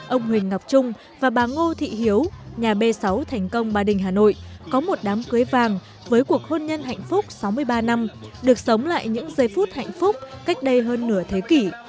ông huỳnh ngọc trung và bà ngô thị hiếu nhà b sáu thành công ba đình hà nội có một đám cưới vàng với cuộc hôn nhân hạnh phúc sáu mươi ba năm được sống lại những giây phút hạnh phúc cách đây hơn nửa thế kỷ